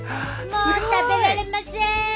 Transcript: もう食べられません！